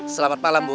selamat malam bu